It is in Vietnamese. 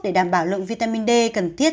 để đảm bảo lượng vitamin d cần thiết